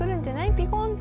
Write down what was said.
ピコンって。